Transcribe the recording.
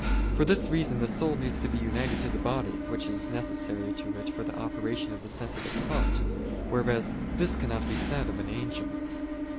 For this reason the soul needs to be united to the body, which is necessary to it for the operation of the sensitive part: whereas this cannot be said of an angel.